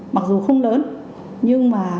mặc dù không lớn nhưng mà